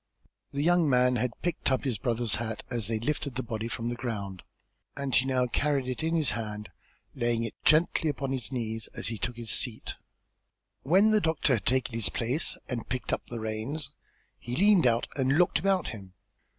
The young man had picked up his brother's hat, as they lifted the body from the ground, and he now carried it in his hand, laying it gently upon his knees as he took his seat. When the doctor had taken his place and picked up the reins he leaned out and looked about him.